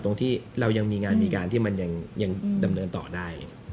ตรงที่เรายังมีงานมีการที่มันยังดำเนินต่อได้